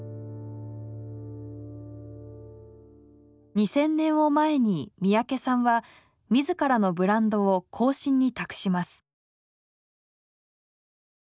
２０００年を前に三宅さんは自らのブランドを後進に託します。